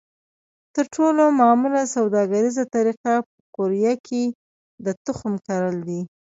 تر ټولو معموله سوداګریزه طریقه په قوریه کې د تخم کرل دي.